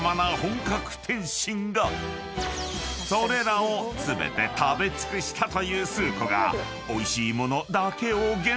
［それらを全て食べ尽くしたと言うスー子がおいしい物だけを厳選］